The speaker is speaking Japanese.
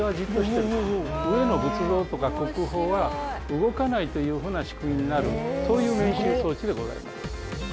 上の仏像とか国宝は動かないというふうな仕組みになるそういう免震装置でございます。